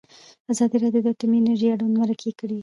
ازادي راډیو د اټومي انرژي اړوند مرکې کړي.